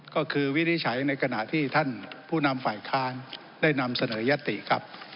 ก็คือวินิจฉัยในขณะที่ท่านผู้นำฝ่ายค้านได้นำเสนอยติครับ